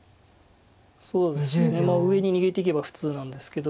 そうですね上に逃げていけば普通なんですけど。